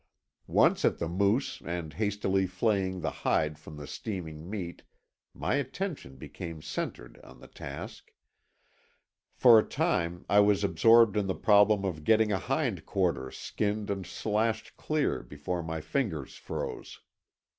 Once at the moose and hastily flaying the hide from the steaming meat my attention became centered on the task. For a time I was absorbed in the problem of getting a hind quarter skinned and slashed clear before my fingers froze.